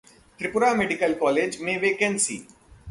Tripura medical college में vacancy